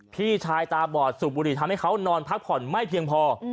พี่ชายตาบอดสูบบุหรี่ทำให้เขานอนพักผ่อนไม่เพียงพอ